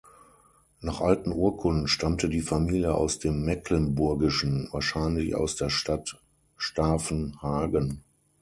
Nach alten Urkunden stammte die Familie aus dem Mecklenburgischen, wahrscheinlich aus der Stadt Stavenhagen.